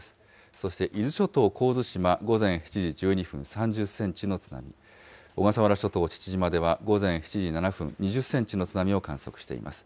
そして伊豆諸島神津島、午前７時１２分、３０センチの津波、小笠原諸島父島では午前７時７分、２０センチの津波を観測しています。